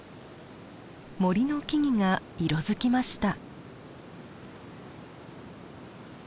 森の木々が色づきました。